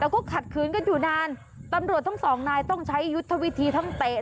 แล้วก็ขัดขืนกันอยู่นานตำรวจทั้งสองนายต้องใช้ยุทธวิธีทั้งเตะ